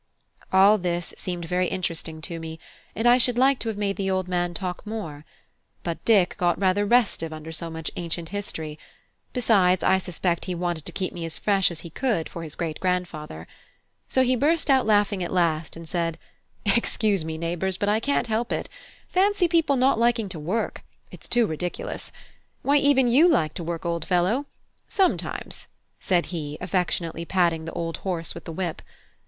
All this seemed very interesting to me, and I should like to have made the old man talk more. But Dick got rather restive under so much ancient history: besides, I suspect he wanted to keep me as fresh as he could for his great grandfather. So he burst out laughing at last, and said: "Excuse me, neighbours, but I can't help it. Fancy people not liking to work! it's too ridiculous. Why, even you like to work, old fellow sometimes," said he, affectionately patting the old horse with the whip.